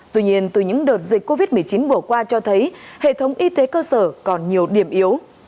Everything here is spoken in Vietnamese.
tuy nhiên từ những đợt dịch covid một mươi chín vừa qua cho thấy hệ thống y tế cơ sở còn nhiều điểm yếu